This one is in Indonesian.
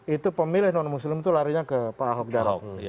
itu pemilih non muslim itu larinya ke pak ahok jarot